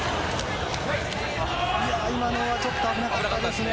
今のはちょっと危なかったですね。